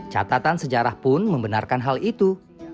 catatan sejarah pun membenarkan hal itu